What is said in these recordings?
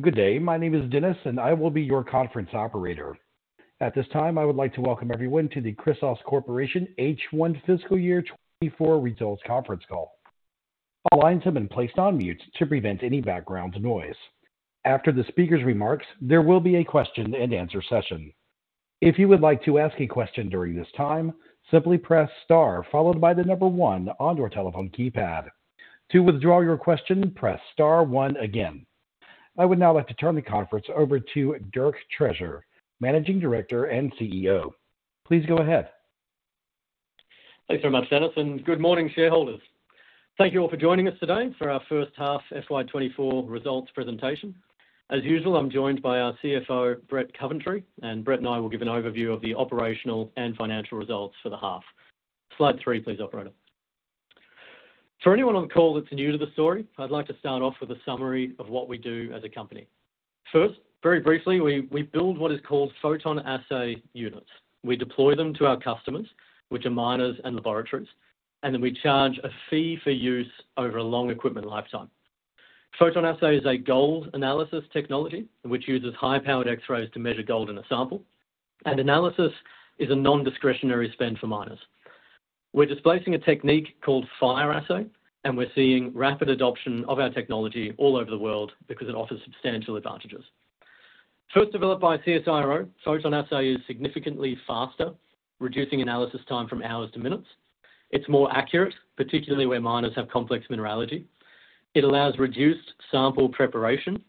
Good day, my name is Dennis and I will be your conference operator. At this time I would like to welcome everyone to the Chrysos Corporation H1 fiscal year 2024 results conference call. Align them and place them on mute to prevent any background noise. After the speaker's remarks, there will be a question and answer session. If you would like to ask a question during this time, simply press star followed by the number 1 on your telephone keypad. To withdraw your question, press star 1 again. I would now like to turn the conference over to Dirk Treasure, Managing Director and CEO. Please go ahead. Thanks very much, Dennis. And good morning, shareholders. Thank you all for joining us today for our first half FY2024 results presentation. As usual, I'm joined by our CFO, Brett Coventry, and Brett and I will give an overview of the operational and financial results for the half. Slide 3, please, operator. For anyone on the call that's new to the story, I'd like to start off with a summary of what we do as a company. First, very briefly, we build what is called PhotonAssay units. We deploy them to our customers, which are miners and laboratories, and then we charge a fee for use over a long equipment lifetime. PhotonAssay is a gold analysis technology which uses high-powered X-rays to measure gold in a sample, and analysis is a non-discretionary spend for miners. We're displacing a technique called fire assay, and we're seeing rapid adoption of our technology all over the world because it offers substantial advantages. First developed by CSIRO, PhotonAssay is significantly faster, reducing analysis time from hours to minutes. It's more accurate, particularly where miners have complex mineralogy. It allows reduced sample preparation,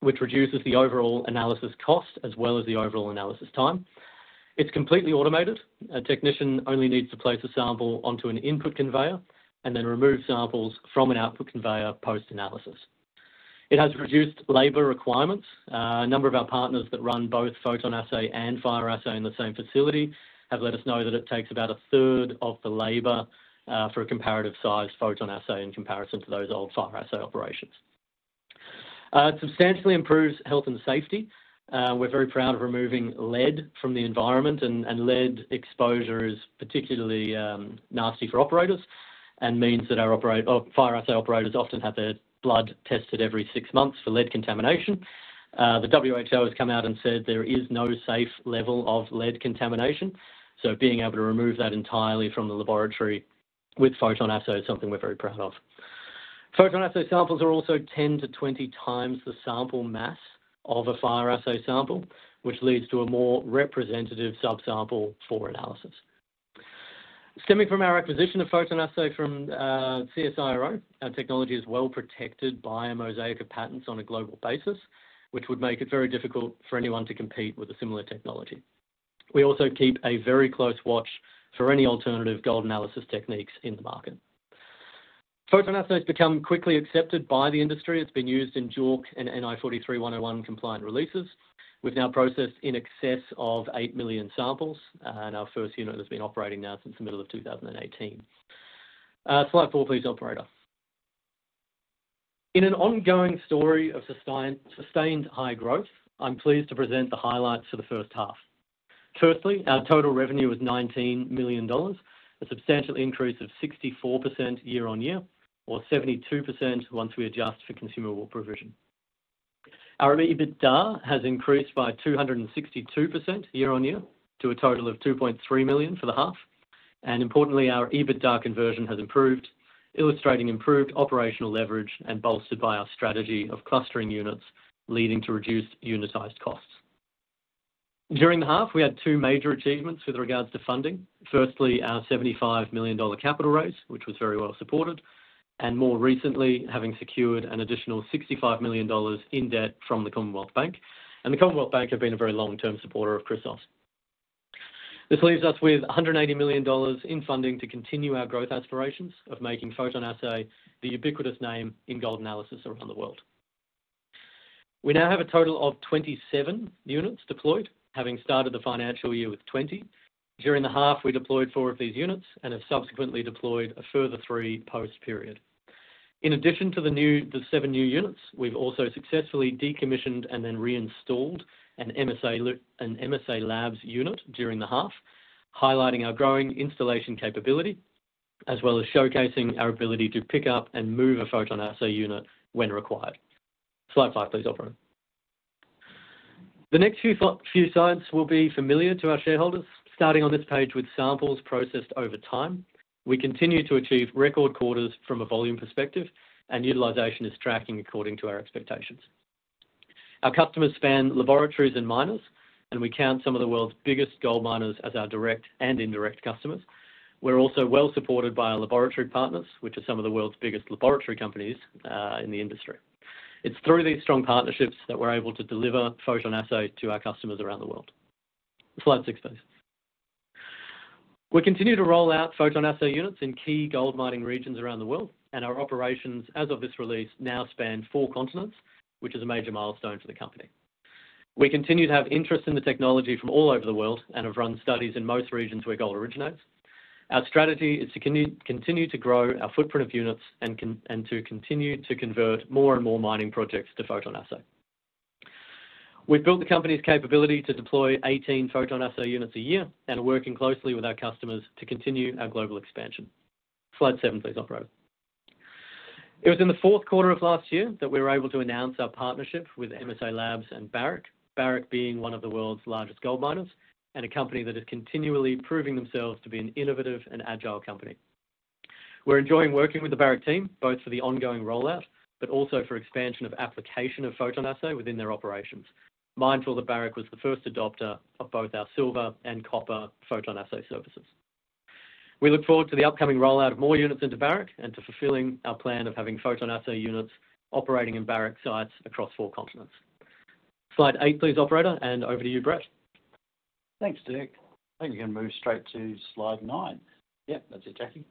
which reduces the overall analysis cost as well as the overall analysis time. It's completely automated. A technician only needs to place a sample onto an input conveyor and then remove samples from an output conveyor post-analysis. It has reduced labor requirements. A number of our partners that run both PhotonAssay and fire assay in the same facility have let us know that it takes about a third of the labor for a comparative-sized PhotonAssay in comparison to those old fire assay operations. It substantially improves health and safety. We're very proud of removing lead from the environment, and lead exposure is particularly nasty for operators and means that our PhotonAssay operators often have their blood tested every six months for lead contamination. The WHO has come out and said there is no safe level of lead contamination, so being able to remove that entirely from the laboratory with PhotonAssay is something we're very proud of. PhotonAssay samples are also 10-20 times the sample mass of a Fire Assay sample, which leads to a more representative subsample for analysis. Stemming from our acquisition of PhotonAssay from CSIRO, our technology is well protected by a mosaic of patents on a global basis, which would make it very difficult for anyone to compete with a similar technology. We also keep a very close watch for any alternative gold analysis techniques in the market. PhotonAssay has become quickly accepted by the industry. It's been used in JORC and NI 43-101 compliant releases. We've now processed in excess of 8 million samples, and our first unit has been operating now since the middle of 2018. Slide 4, please, operator. In an ongoing story of sustained high growth, I'm pleased to present the highlights for the first half. Firstly, our total revenue was 19 million dollars, a substantial increase of 64% year-on-year, or 72% once we adjust for constant currency revision. Our EBITDA has increased by 262% year-on-year to a total of 2.3 million for the half. And importantly, our EBITDA conversion has improved, illustrating improved operational leverage and bolstered by our strategy of clustering units leading to reduced unitized costs. During the half, we had two major achievements with regard to funding. Firstly, our 75 million dollar capital raise, which was very well supported, and more recently, having secured an additional 65 million dollars in debt from the Commonwealth Bank. The Commonwealth Bank have been a very long-term supporter of Chrysos. This leaves us with 180 million dollars in funding to continue our growth aspirations of making PhotonAssay the ubiquitous name in gold analysis around the world. We now have a total of 27 units deployed, having started the financial year with 20. During the half, we deployed four of these units and have subsequently deployed a further three post-period. In addition to the seven new units, we've also successfully decommissioned and then reinstalled an MSALABS unit during the half, highlighting our growing installation capability as well as showcasing our ability to pick up and move a PhotonAssay unit when required. Slide 5, please, operator. The next few slides will be familiar to our shareholders. Starting on this page with samples processed over time, we continue to achieve record quarters from a volume perspective, and utilization is tracking according to our expectations. Our customers span laboratories and miners, and we count some of the world's biggest gold miners as our direct and indirect customers. We're also well supported by our laboratory partners, which are some of the world's biggest laboratory companies in the industry. It's through these strong partnerships that we're able to deliver PhotonAssay to our customers around the world. Slide 6, please. We continue to roll out PhotonAssay units in key gold mining regions around the world, and our operations, as of this release, now span four continents, which is a major milestone for the company. We continue to have interest in the technology from all over the world and have run studies in most regions where gold originates. Our strategy is to continue to grow our footprint of units and to continue to convert more and more mining projects to PhotonAssay. We've built the company's capability to deploy 18 PhotonAssay units a year and are working closely with our customers to continue our global expansion. Slide 7, please, operator. It was in the fourth quarter of last year that we were able to announce our partnership with MSA Labs and Barrick, Barrick being one of the world's largest gold miners and a company that is continually proving themselves to be an innovative and agile company. We're enjoying working with the Barrick team both for the ongoing rollout but also for expansion of application of PhotonAssay within their operations, mindful that Barrick was the first adopter of both our silver and copper PhotonAssay services. We look forward to the upcoming rollout of more units into Barrick and to fulfilling our plan of having PhotonAssay units operating in Barrick sites across four continents. Slide 8, please, operator, and over to you, Brett. Thanks, Dirk. I think we can move straight to slide 9. Yep, that's it, Jackie.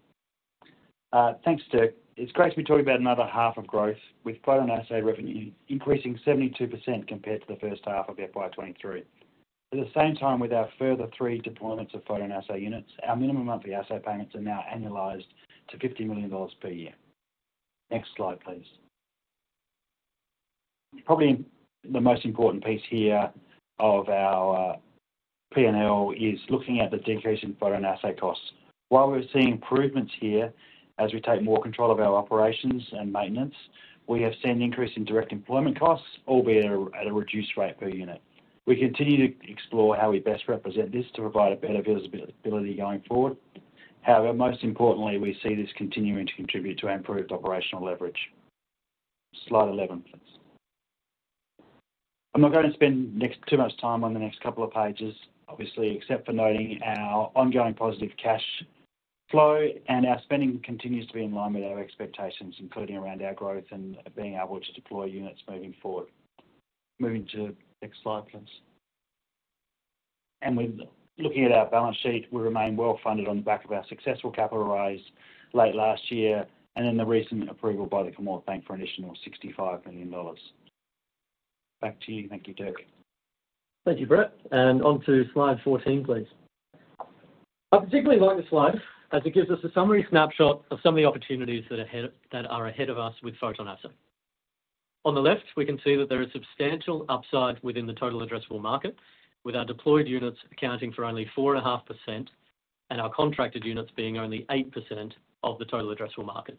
Thanks, Dirk. It's great to be talking about another half of growth, with PhotonAssay revenue increasing 72% compared to the first half of FY23. At the same time, with our further three deployments of PhotonAssay units, our minimum monthly assay payments are now annualized to 50 million dollars per year. Next slide, please. Probably the most important piece here of our P&L is looking at the decrease in PhotonAssay costs. While we're seeing improvements here as we take more control of our operations and maintenance, we have seen an increase in direct employment costs, albeit at a reduced rate per unit. We continue to explore how we best represent this to provide a better visibility going forward. However, most importantly, we see this continuing to contribute to improved operational leverage. Slide 11, please. I'm not going to spend too much time on the next couple of pages, obviously, except for noting our ongoing positive cash flow and our spending continues to be in line with our expectations, including around our growth and being able to deploy units moving forward. Moving to next slide, please. And with looking at our balance sheet, we remain well funded on the back of our successful capital raise late last year and then the recent approval by the Commonwealth Bank for an additional 65 million dollars. Back to you. Thank you, Dirk. Thank you, Brett. Onto slide 14, please. I particularly like this slide as it gives us a summary snapshot of some of the opportunities that are ahead of us with PhotonAssay. On the left, we can see that there is substantial upside within the total addressable market, with our deployed units accounting for only 4.5% and our contracted units being only 8% of the total addressable market.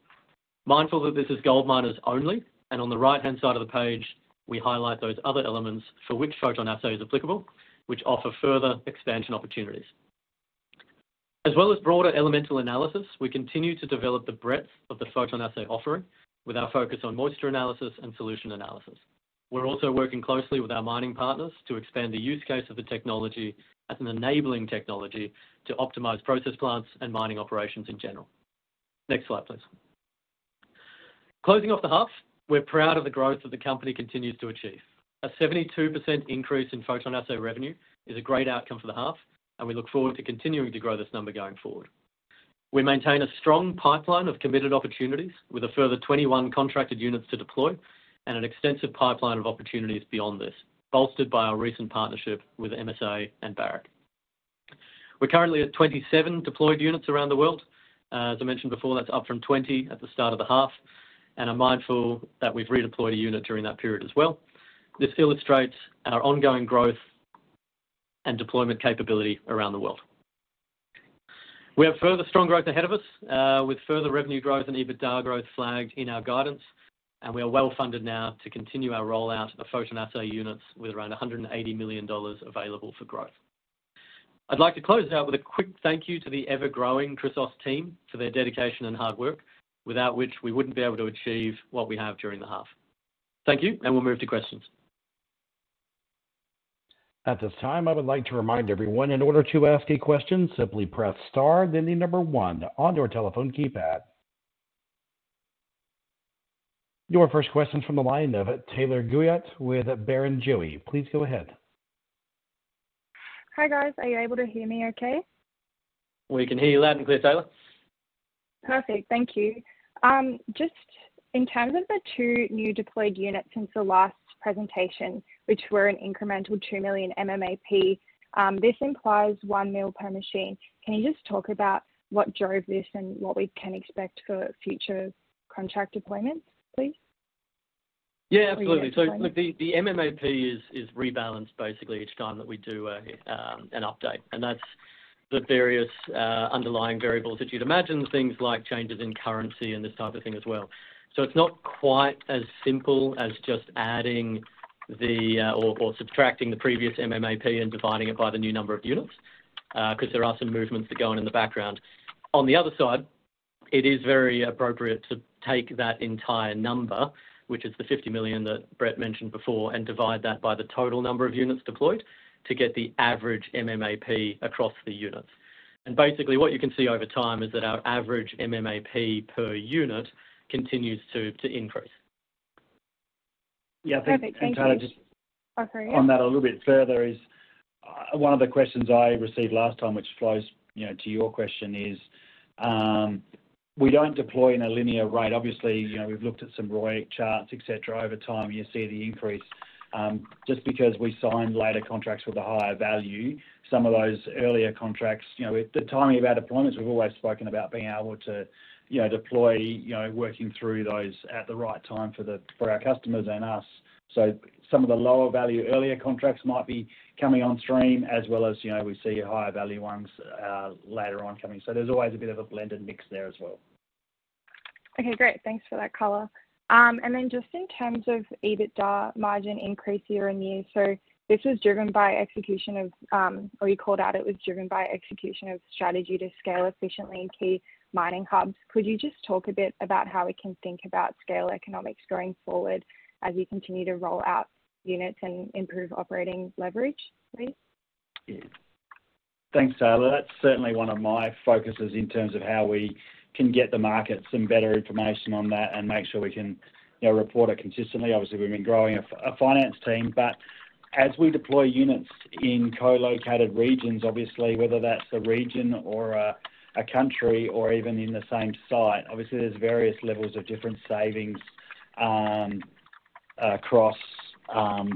Mindful that this is gold miners only, and on the right-hand side of the page, we highlight those other elements for which PhotonAssay is applicable, which offer further expansion opportunities. As well as broader elemental analysis, we continue to develop the breadth of the PhotonAssay offering with our focus on moisture analysis and solution analysis. We're also working closely with our mining partners to expand the use case of the technology as an enabling technology to optimize process plants and mining operations in general. Next slide, please. Closing off the half, we're proud of the growth that the company continues to achieve. A 72% increase in photon assay revenue is a great outcome for the half, and we look forward to continuing to grow this number going forward. We maintain a strong pipeline of committed opportunities with a further 21 contracted units to deploy and an extensive pipeline of opportunities beyond this, bolstered by our recent partnership with MSA and Barrick. We're currently at 27 deployed units around the world. As I mentioned before, that's up from 20 at the start of the half, and I'm mindful that we've redeployed a unit during that period as well. This illustrates our ongoing growth and deployment capability around the world. We have further strong growth ahead of us with further revenue growth and EBITDA growth flagged in our guidance, and we are well funded now to continue our rollout of PhotonAssay units with around 180 million dollars available for growth. I'd like to close out with a quick thank you to the ever-growing Chrysos team for their dedication and hard work, without which we wouldn't be able to achieve what we have during the half. Thank you, and we'll move to questions. At this time, I would like to remind everyone, in order to ask a question, simply press star, then the number 1 on your telephone keypad. Your first question's from the line of Taylor Guyot with Barrenjoey. Please go ahead. Hi, guys. Are you able to hear me okay? We can hear you loud and clear, Taylor. Perfect. Thank you. Just in terms of the 2 new deployed units since the last presentation, which were an incremental 2 million MMAP, this implies 1 million per machine. Can you just talk about what drove this and what we can expect for future contract deployments, please? Yeah, absolutely. So look, the MMAP is rebalanced, basically, each time that we do an update, and that's the various underlying variables that you'd imagine, things like changes in currency and this type of thing as well. So it's not quite as simple as just adding or subtracting the previous MMAP and dividing it by the new number of units because there are some movements that go on in the background. On the other side, it is very appropriate to take that entire number, which is the 50 million that Brett mentioned before, and divide that by the total number of units deployed to get the average MMAP across the units. And basically, what you can see over time is that our average MMAP per unit continues to increase. Yeah, thank you. Perfect. Thank you. And Taylor, just on that a little bit further, one of the questions I received last time, which flows to your question, is we don't deploy in a linear rate. Obviously, we've looked at some ROI charts, etc. Over time, you see the increase. Just because we signed later contracts with a higher value, some of those earlier contracts the timing of our deployments, we've always spoken about being able to deploy, working through those at the right time for our customers and us. So some of the lower value earlier contracts might be coming onstream, as well as we see higher value ones later on coming. So there's always a bit of a blended mix there as well. Okay, great. Thanks for that, color. And then just in terms of EBITDA margin increase year-over-year, so this was driven by execution of or you called out it was driven by execution of strategy to scale efficiently in key mining hubs. Could you just talk a bit about how we can think about scale economics going forward as you continue to roll out units and improve operating leverage, please? Yeah. Thanks, Taylor. That's certainly one of my focuses in terms of how we can get the market some better information on that and make sure we can report it consistently. Obviously, we've been growing a finance team, but as we deploy units in colocated regions, obviously, whether that's a region or a country or even in the same site, obviously, there's various levels of different savings across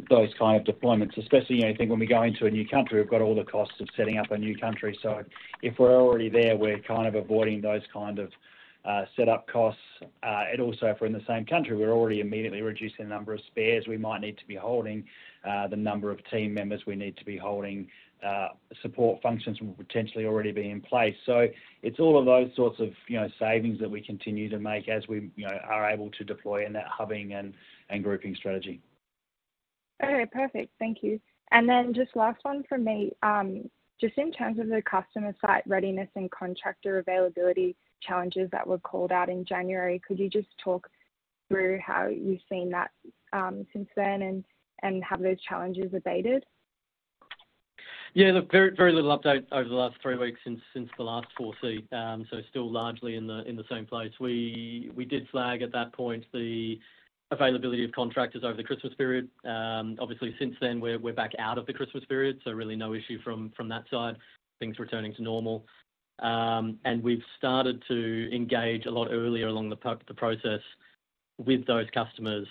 those kind of deployments, especially I think when we go into a new country, we've got all the costs of setting up a new country. So if we're already there, we're kind of avoiding those kind of setup costs. And also, if we're in the same country, we're already immediately reducing the number of spares we might need to be holding, the number of team members we need to be holding, support functions will potentially already be in place. It's all of those sorts of savings that we continue to make as we are able to deploy in that hubbing and grouping strategy. Okay, perfect. Thank you. And then just last one from me. Just in terms of the customer site readiness and contractor availability challenges that were called out in January, could you just talk through how you've seen that since then and have those challenges abated? Yeah, look, very little update over the last three weeks since the last four, see. So still largely in the same place. We did flag at that point the availability of contractors over the Christmas period. Obviously, since then, we're back out of the Christmas period, so really no issue from that side. Things returning to normal. And we've started to engage a lot earlier along the process with those customers,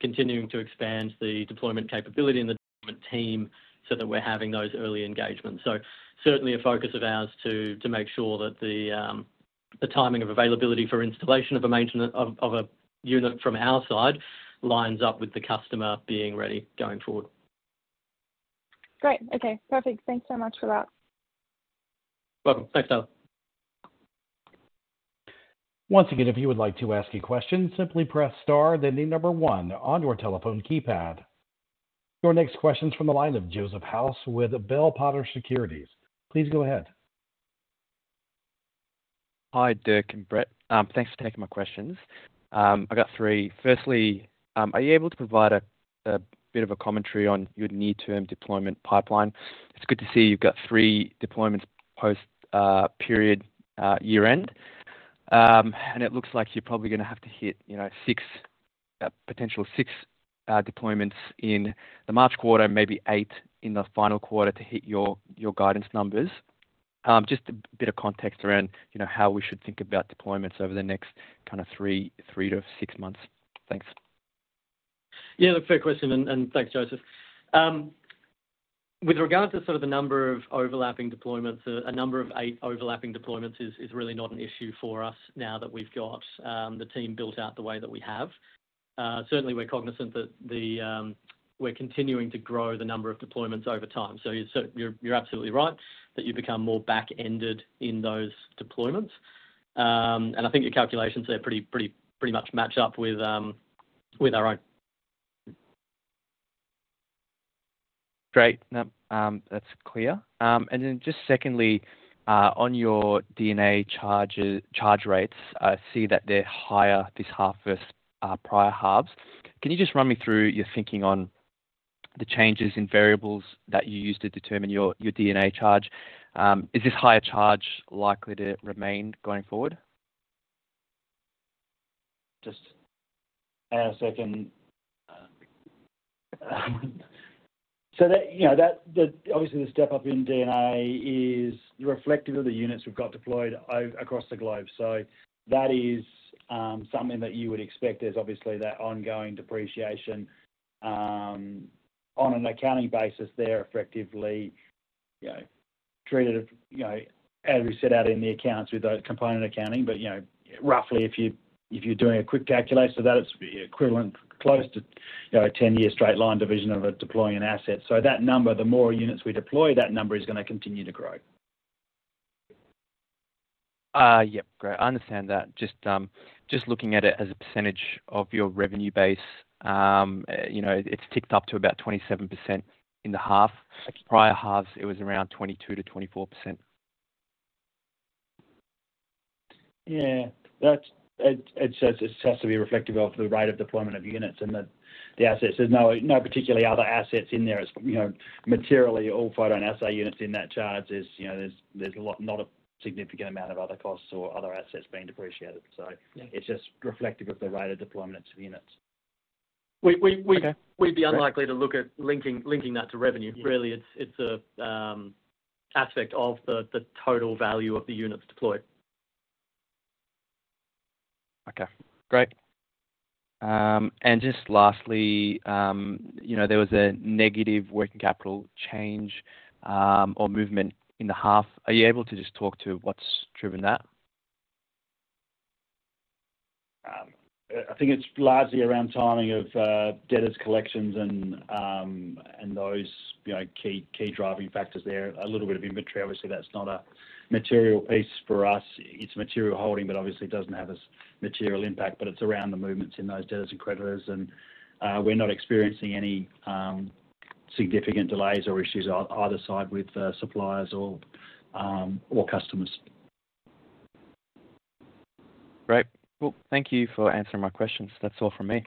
continuing to expand the deployment capability and the development team so that we're having those early engagements. So certainly a focus of ours to make sure that the timing of availability for installation of a unit from our side lines up with the customer being ready going forward. Great. Okay, perfect. Thanks so much for that. Welcome. Thanks, Taylor. Once again, if you would like to ask a question, simply press star, then the number 1 on your telephone keypad. Your next question's from the line of Joseph House with Bell Potter Securities. Please go ahead. Hi, Dirk and Brett. Thanks for taking my questions. I've got three. Firstly, are you able to provide a bit of a commentary on your near-term deployment pipeline? It's good to see you've got three deployments post-period year-end, and it looks like you're probably going to have to hit potential six deployments in the March quarter, maybe eight in the final quarter to hit your guidance numbers. Just a bit of context around how we should think about deployments over the next kind of three to six months. Thanks. Yeah, look, fair question, and thanks, Joseph. With regard to sort of the number of overlapping deployments, a number of 8 overlapping deployments is really not an issue for us now that we've got the team built out the way that we have. Certainly, we're cognizant that we're continuing to grow the number of deployments over time. So you're absolutely right that you become more back-ended in those deployments. And I think your calculations there pretty much match up with our own. Great. Nope, that's clear. And then just secondly, on your D&A charge rates, I see that they're higher this half versus prior halves. Can you just run me through your thinking on the changes in variables that you use to determine your D&A charge? Is this higher charge likely to remain going forward? Just hang on a second. So obviously, the step up in D&A is reflective of the units we've got deployed across the globe. So that is something that you would expect. There's obviously that ongoing depreciation on an accounting basis there, effectively treated as we set out in the accounts with component accounting. But roughly, if you're doing a quick calculator, that's equivalent close to a 10-year straight-line division of deploying an asset. So that number, the more units we deploy, that number is going to continue to grow. Yep, great. I understand that. Just looking at it as a percentage of your revenue base, it's ticked up to about 27% in the half. Prior halves, it was around 22%-24%. Yeah. It just has to be reflective of the rate of deployment of units and the assets. There's no particularly other assets in there. It's materially all PhotonAssay units in that charge. There's not a significant amount of other costs or other assets being depreciated. So it's just reflective of the rate of deployment of units. We'd be unlikely to look at linking that to revenue. Really, it's an aspect of the total value of the units deployed. Okay, great. Just lastly, there was a negative working capital change or movement in the half. Are you able to just talk to what's driven that? I think it's largely around timing of debtors' collections and those key driving factors there. A little bit of inventory, obviously, that's not a material piece for us. It's material holding, but obviously, it doesn't have as material impact. But it's around the movements in those debtors and creditors. And we're not experiencing any significant delays or issues either side with suppliers or customers. Great. Well, thank you for answering my questions. That's all from me.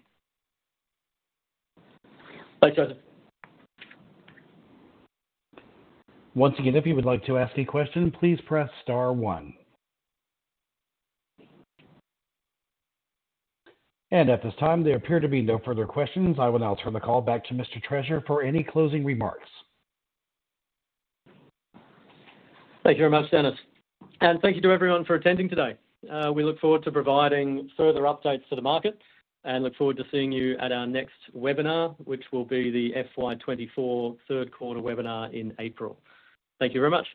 Thanks, Joseph. Once again, if you would like to ask a question, please press star 1. At this time, there appear to be no further questions. I will now turn the call back to Mr. Treasure for any closing remarks. Thank you very much, Dennis. Thank you to everyone for attending today. We look forward to providing further updates to the market and look forward to seeing you at our next webinar, which will be the FY24 third-quarter webinar in April. Thank you very much.